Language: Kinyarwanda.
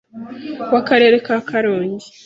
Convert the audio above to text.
Wa karere ka Karongi